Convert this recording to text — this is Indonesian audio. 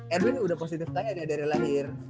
edwin udah positif kaya dari lahir